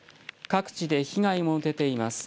各地で被害も出ています。